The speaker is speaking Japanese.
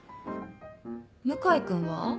向井君は？